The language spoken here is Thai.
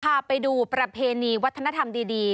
พาไปดูประเพณีวัฒนธรรมดี